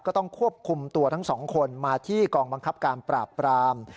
ก็ต้องควบคุมตัวทั้งสองคนมาที่กองบังคับการปราบปราม